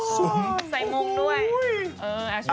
ใส่มงด้วย